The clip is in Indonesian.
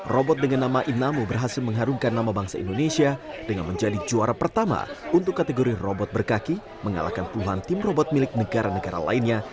robot dengan nama inamo berhasil mengharumkan nama bangsa indonesia dengan menjadi juara pertama untuk kategori robot berkaki mengalahkan puluhan tim robot milik negara negara lainnya